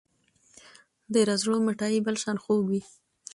د رځړو مټايي بل شان خوږه وي